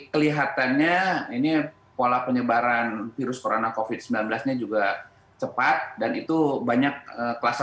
kelihatannya ini pola penyebaran virus corona covid sembilan belas nya juga cepat dan itu banyak kelas